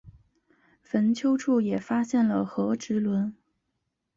坟丘处也发现了和埴轮。